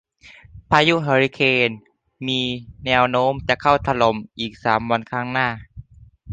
พายุเฮอริเคนมีมีแนวโน้มจะเข้าถล่มอีกสามวันข้างหน้า